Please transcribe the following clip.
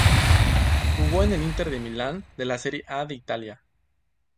Jugó en el Inter de Milán de la Serie A de Italia.